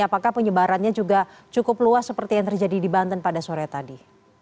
apakah penyebarannya juga cukup luas seperti yang terjadi di banten pada sore tadi